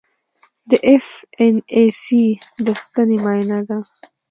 د ایف این ای سي د ستنې معاینه ده.